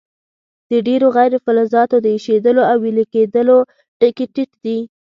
د ډیرو غیر فلزاتو د ایشېدلو او ویلي کیدلو ټکي ټیټ دي.